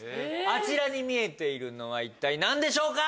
あちらに見えているのは一体何でしょうか？